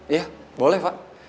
iya boleh pak